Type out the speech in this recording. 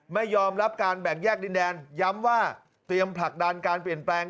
ไม่ยอมรับการแบ่งแยกดินแดนย้ำว่าเตรียมผลักดันการเปลี่ยนแปลง